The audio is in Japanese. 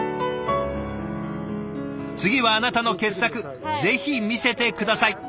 次はあなたの傑作ぜひ見せて下さい。